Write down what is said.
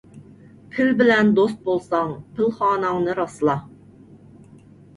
پىل بىلەن دوست بولساڭ، پىلخاناڭنى راسلا.